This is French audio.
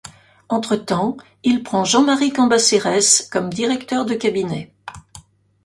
Entretemps, il prend Jean-Marie Cambacérès comme directeur de cabinet.